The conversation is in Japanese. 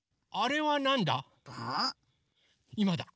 いまだ！